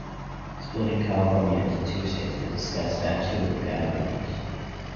Splitting California into two states was discussed at two of the gatherings.